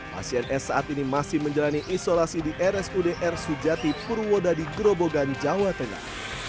pasien s saat ini masih menjalani isolasi di rsud r sujati purwodadi grobogan jawa tengah